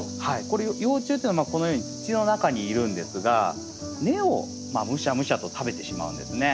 これ幼虫っていうのはこのように土の中にいるんですが根をむしゃむしゃと食べてしまうんですね。